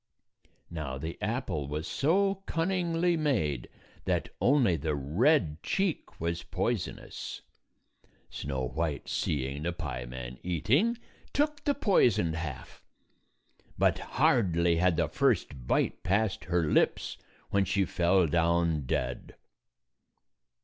Now the apple was so cunningly made that only the red cheek was poisonous. Snow White, seeing the pieman eating, took the poisoned half. But hardly had the first bite passed her lips when she fell down dead.